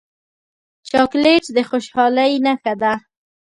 چاکلېټ د خوشحالۍ نښه ده.